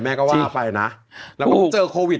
แม่ก็ว่าไปนะแล้วก็เจอโควิด